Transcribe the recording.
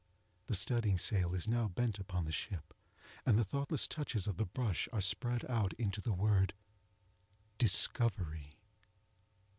The studding sail is now bent upon the ship, and the thoughtless touches of the brush are spread out into the word DISCOVERY.